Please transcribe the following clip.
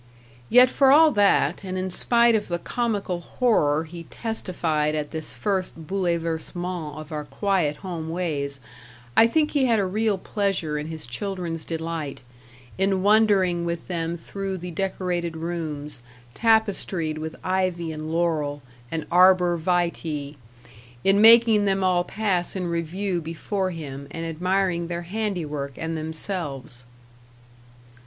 Yet for all that, and in spite of the comical horror he testified at this first bouleversement of our quiet home ways, I think he had a real pleasure in his children's delight; in wandering with them through the decorated rooms, tapestried with ivy and laurel, and arbor vitae; in making them all pass in review before him, and admiring their handiwork and themselves.